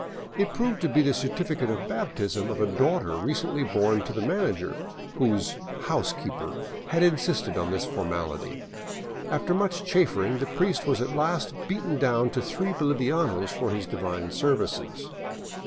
It proved to be the certifi cate of baptism of a daughter recently born to the manager, whose " housekeeper " had insisted on this formality. After much chaffering the priest was at last beaten down to three bolivianos for his divine services.